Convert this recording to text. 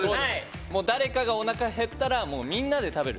誰かがおなか減ったらみんなで食べる。